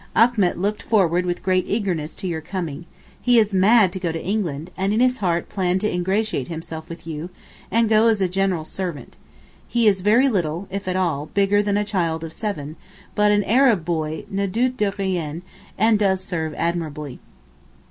Achmet looked forward with great eagerness to your coming. He is mad to go to England, and in his heart planned to ingratiate himself with you, and go as a 'general servant.' He is very little, if at all, bigger than a child of seven, but an Arab boy 'ne doute de rien' and does serve admirably.